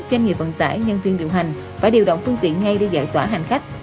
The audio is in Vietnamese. doanh nghiệp vận tải nhân viên điều hành phải điều động phương tiện ngay để giải tỏa hành khách